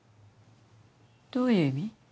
どういう意味？